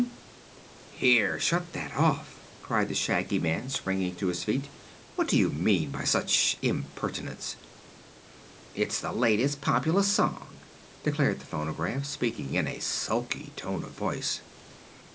"Here shut that off!" cried the Shaggy Man, springing to his feet. "What do you mean by such impertinence?" "It's the latest popular song," declared the phonograph, speaking in a sulky tone of voice.